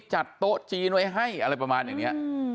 จัดโต๊ะจีนไว้ให้อะไรประมาณอย่างนี้